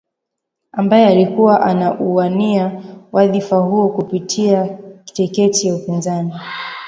ambaye alikuwa anauwania wadhifa huo kupitia tiketi ya upinzani